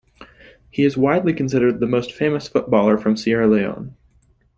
He is widely considered the most famous footballer from Sierra Leone.